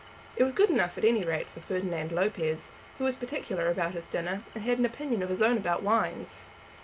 It was good enough at any rate for Ferdinand Lopez, who was particular about his dinner, and had an opinion of his own about wines.